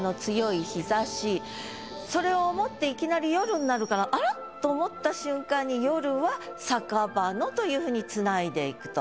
それを思っていきなり夜になるから。と思った瞬間に「夜は酒場の」というふうにつないでいくと。